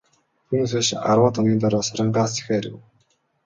Түүнээс хойш арваад хоногийн дараа, Сарангаас захиа ирэв.